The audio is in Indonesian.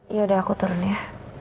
ya udah aku turun ya